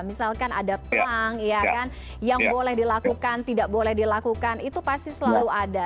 misalkan ada pelang ya kan yang boleh dilakukan tidak boleh dilakukan itu pasti selalu ada